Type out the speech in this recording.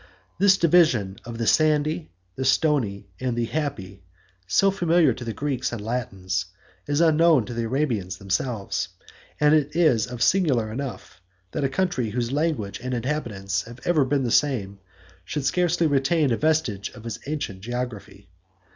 This division of the sandy, the stony, and the happy, so familiar to the Greeks and Latins, is unknown to the Arabians themselves; and it is singular enough, that a country, whose language and inhabitants have ever been the same, should scarcely retain a vestige of its ancient geography.